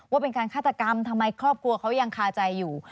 ว่าเป็นการฆาตกรรมทำไมครอบครัวเขายังคาใจอยู่